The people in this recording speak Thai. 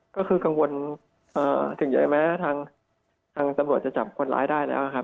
ก็คือกังวลถึงใจแม้ทางตำรวจจะจับคนร้ายได้แล้วครับ